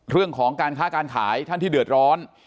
เรื่องของการค้าการขายท่านที่เดือดร้อน